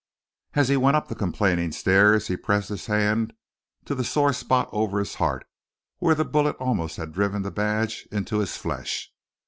As he went up the complaining stairs he pressed his hand to the sore spot over his heart where the bullet almost had driven the badge into his flesh.